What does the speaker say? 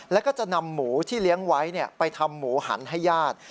แล้วก็จะนำหมูที่เลี้ยงไว้ไปทำหมูหันให้ญาติ